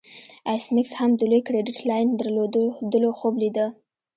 ایس میکس هم د لوی کریډیټ لاین درلودلو خوب لیده